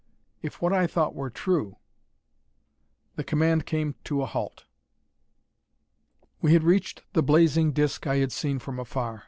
If what I thought were true ! The command came to halt. We had reached the blazing disk I had seen from afar.